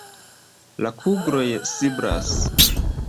La kugloj siblas.